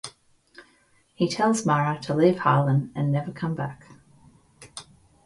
He tells Mara to leave Harlan and never come back.